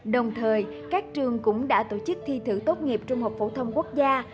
đồng thời các trường cũng đã tổ chức thi thử tốt nghiệp trung học phổ thông quốc gia